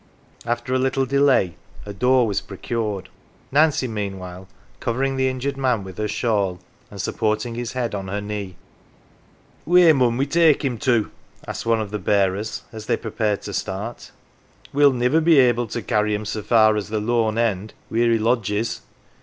After a little delay a door was procured ; Nancy, meanwhile, covering the injured man with her shawl, and supporting his head on her knee. " Wheer mun we take him to ?" asked one of the bearers as they prepared to start. "We'll niver be able to carry him so far as the Lone End wheer he lodges.